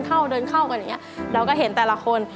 เข้าเดินเข้ากันอย่างนี้เราก็เห็นแต่ละคน